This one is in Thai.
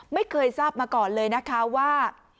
ไม่เคยทราบมาก่อนเลยนะคะว่า